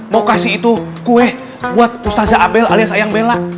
mau kasih itu kue buat mustazah abel alias ayang bela